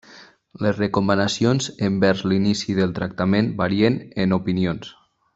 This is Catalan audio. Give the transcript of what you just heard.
Les recomanacions envers l'inici del tractament varien en opinions.